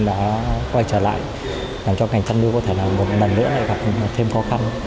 nó quay trở lại làm cho ngành chăn nuôi có thể là một lần nữa lại thêm khó khăn